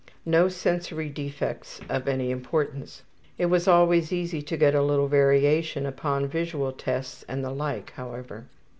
No sensory defects of any importance. It was always easy to get a little variation upon visual tests and the like, however.